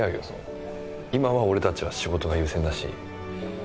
今は俺たちは仕事が優先だし。